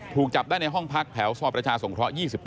ถูกจับได้ในห้องพักแผลวซประชาส่งคล้อ๒๘